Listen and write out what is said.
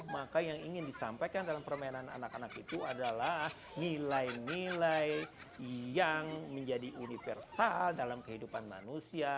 maka yang ingin disampaikan dalam permainan anak anak itu adalah nilai nilai yang menjadi universal dalam kehidupan manusia